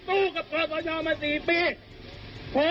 จะออกไปใช่มั้ยครับ